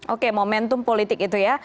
oke momentum politik itu ya